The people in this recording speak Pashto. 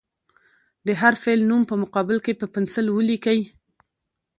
د هر فعل نوم په مقابل کې په پنسل ولیکئ.